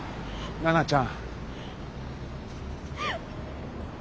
奈々ちゃん。